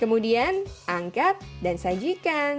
kemudian angkat dan sajikan